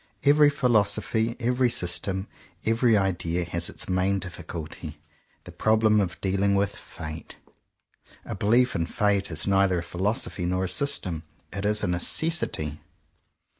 Every phil osophy, every system, every idea, has, as its main difficulty, the problem of dealing with Fate. A belief in Fate is neither a philosophy nor a system; it is a necessity.